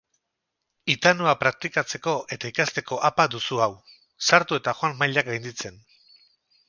Hitanoa praktikatzeko eta ikasteko appa duzu hau! Sartu eta joan mailak gainditzen.